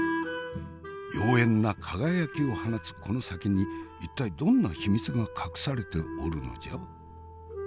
妖艶な輝きを放つこの酒に一体どんな秘密が隠されておるのじゃ？